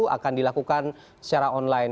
akan dilakukan secara online